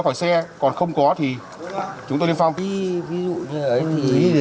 thổi luôn đi anh quay quay quay vơi đi